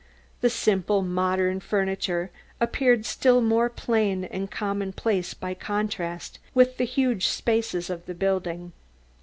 The simple modern furniture appeared still more plain and common place by contrast with the huge spaces of the building.